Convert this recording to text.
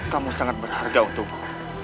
kamu sangat berharga untukku